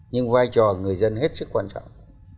nhưng vai trò người dân hết sức quan trọng